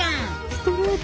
ストレート。